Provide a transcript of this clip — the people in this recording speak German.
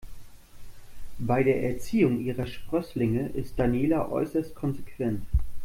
Bei der Erziehung ihrer Sprösslinge ist Daniela äußerst konsequent.